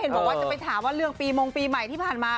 บอกว่าจะไปถามว่าเรื่องปีมงปีใหม่ที่ผ่านมา